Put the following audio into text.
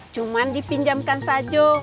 cuma dipinjamkan saja